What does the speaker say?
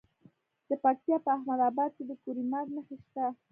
د پکتیا په احمد اباد کې د کرومایټ نښې شته.